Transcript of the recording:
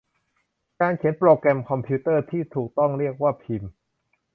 การเขียนโปรแกรมคอมพิวเตอร์ ที่ถูกต้องเรียกว่าพิมพ์